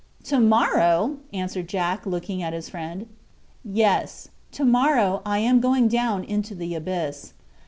"To morrow?" answered Jack, looking at his friend. "Yes; to morrow I am going down into that abyss."